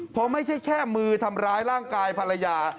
เพราะไม่ใช่แค่มือทำร้ายร่างกายภรรยา